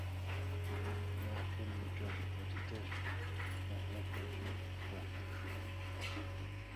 Махуэм и кӀэщӀыгъуэ дыдэщ, Вагъуэбэр щӀым хохьэж.